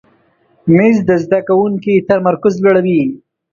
مېز د زده کوونکي تمرکز لوړوي.